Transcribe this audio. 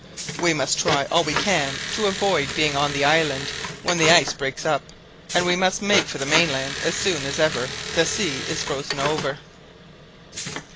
We must try all we can to avoid being on the island when the ice breaks up, and we must make for the mainland as soon as ever the sea is frozen over."